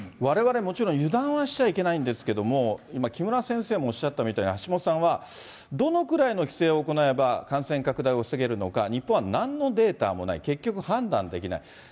われわれ、もちろん油断はしちゃいけないんですけども、木村先生もおっしゃったみたいに、橋下さんは、どのくらいの規制を行えば、感染拡大を防げるのか、日本はなんのデータもない、結局、判断できない。